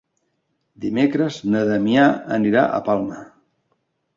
Dimecres na Damià anirà a Palma.